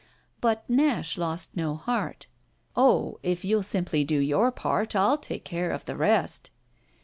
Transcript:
But Nash lost no heart. "Oh, if you'll simply do your part I'll take care of the rest."